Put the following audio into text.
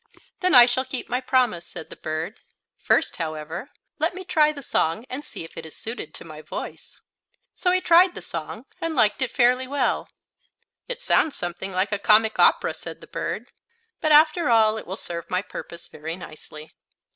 "Then I shall keep my promise," said the bird. "First, however, let me try the song and see if it is suited to my voice." So he tried the song and liked it fairly well. "It sounds something like a comic opera," said the bird, "but, after all, it will serve my purpose very nicely."